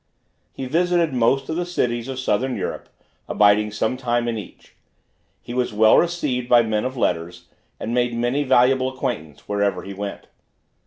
He visited most of the cities of Southern Europe, abiding some time in each. He was well received by men of letters, and made many valuable acquaintance, wherever he went.